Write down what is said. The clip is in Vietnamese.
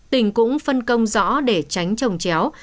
tỉnh cũng phân công rõ để tránh trồng chéo